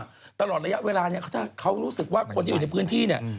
ตลอดระยะเวลาเนี่ยถ้าเขารู้สึกว่าคนที่อยู่ในพื้นที่เนี่ย